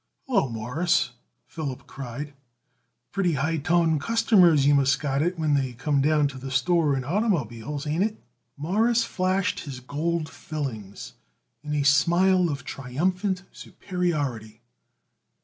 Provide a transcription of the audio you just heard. "Hallo, Mawruss," Philip cried. "Pretty high toned customers you must got it when they come down to the store in oitermobiles, ain't it?" Morris flashed his gold fillings in a smile of triumphant superiority.